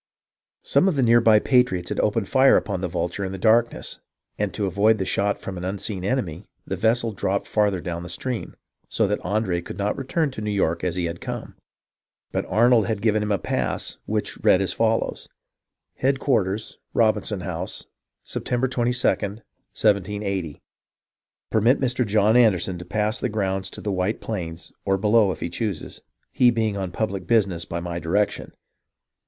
Some of the near by patriots had opened fire upon the Vulture in the darkness, and to avoid the shot from an unseen enemy, the vessel dropped farther down the stream, so that Andre could not return to New York as he had come. But Arnold had given him a pass which read as follows: — HE.A.D Qlarters Robinson House Sep' 22* 1780 Permit Mr. John Anderson to pass the grounds to the White Plains or below if He chooses. He being on public Business by my Direction.